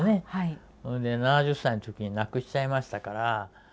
７０歳の時に亡くしちゃいましたから。